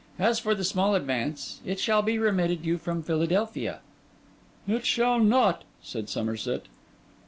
As for the small advance, it shall be remitted you from Philadelphia.' 'It shall not,' said Somerset.